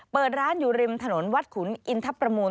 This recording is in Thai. เปิดร้านอยู่ริมถนนวัดขุนอินทรประมูล